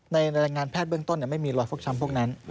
ในรายงานแพทย์เบื้องต้นไม่มีรอยฟกช้ำพวกนั้น